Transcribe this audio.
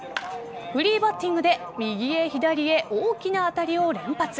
フリーバッティングで右へ左へ大きな当たりを連発。